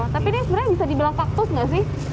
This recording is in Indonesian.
tapi ini sebenarnya bisa dibilang kaktus gak sih